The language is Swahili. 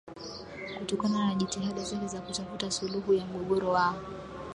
Kutokana na jitihada zake za kutafuta suluhu ya mgogoro wa